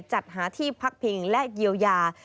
จัดหาที่พักพิงและเยียวยา